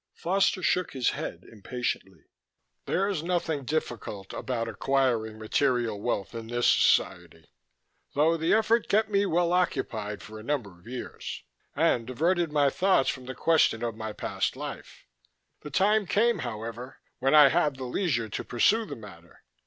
Foster shook his head impatiently. "There's nothing difficult about acquiring material wealth in this society, though the effort kept me well occupied for a number of years and diverted my thoughts from the question of my past life. The time came, however, when I had the leisure to pursue the matter.